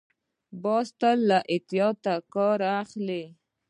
باز تل له احتیاط کار اخلي